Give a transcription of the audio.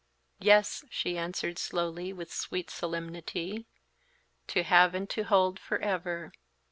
"Yes," she answered, slowly, with sweet solemnity; "to have and to hold, forever!"